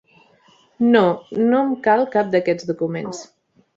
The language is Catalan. No, no em cal cap d'aquests documents.